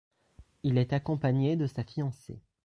Il est accompagné de sa fiancée.